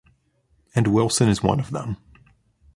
And Wilson is one of them.